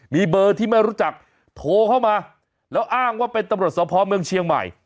มีเบอร์ที่ไม่รู้จักโทรเข้ามาแล้วอ้างว่าเป็นตำรวจสภเมืองเชียงใหม่